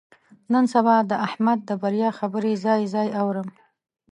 نن سبا د احمد د بریا خبرې ځای ځای اورم.